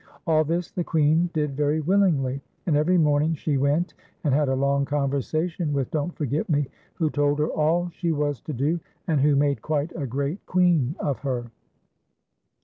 All this the Queen did very willingl}'; and every morning she went and had a long conversation with Don't Forget Me, who told her all she was to do, and who made quite a great queen of her.